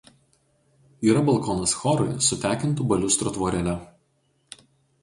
Yra balkonas chorui su tekintų baliustrų tvorele.